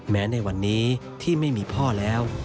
ในวันนี้ที่ไม่มีพ่อแล้ว